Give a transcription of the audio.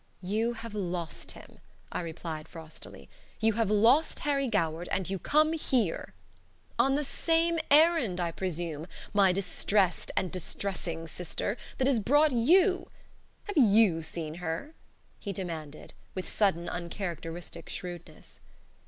"You have lost him," I replied, frostily. "You have lost Harry Goward, and you come here " "On the same errand, I presume, my distressed and distressing sister, that has brought you. Have you seen her?" he demanded, with sudden, uncharacteristic shrewdness.